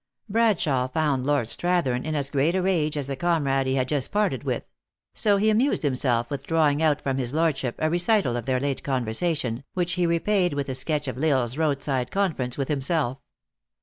Bradshawe found Lord Strathern in as great a rage as the comrade he had just pal ted with ; so he amused himself with drawing out from his lordship a recital of their late conversation, which he repaid with a sketch of L Isle s roadside conference with himself.